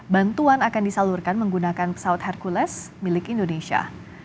bantuan akan disalurkan menggunakan pesawat hercules milik indonesia